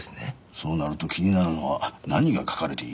そうなると気になるのは何が書かれているかですな。